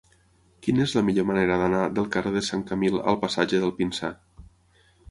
Quina és la millor manera d'anar del carrer de Sant Camil al passatge del Pinsà?